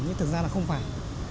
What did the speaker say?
nhưng thực ra là không phải